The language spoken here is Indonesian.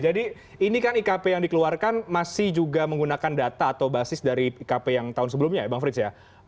jadi ini kan ikp yang dikeluarkan masih juga menggunakan data atau basis dari ikp yang tahun sebelumnya ya bang frits ya